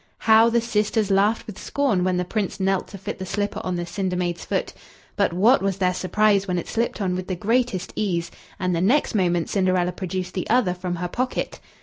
How the sisters laughed with scorn when the Prince knelt to fit the slipper on the cinder maid's foot; but what was their surprise when it slipped on with the greatest ease, and the next moment Cinderella produced the other from her pocket.